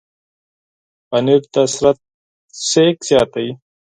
پنېر د بدن انرژي زیاتوي.